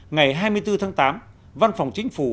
ngày hai mươi bốn tháng tám văn phòng chính phủ